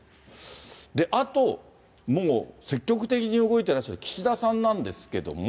あと、もう積極的に動いてらっしゃる岸田さんなんですけれども。